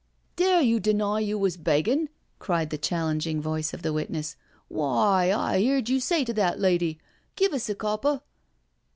'*" Dare you deny you was beggin'?" cried the chal lenging voice of the witness. " Why, I heerd you say to that lady, ' Give us a copper.'